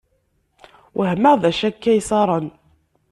Wehmeɣ d-acu akka iṣaṛen!